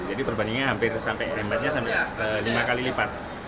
jadi perbandingannya hampir sampai lima kali lipat